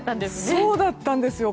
そうだったんですよ。